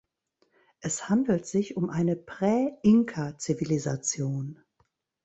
Es handelt sich um eine "Prä-Inka"-Zivilisation.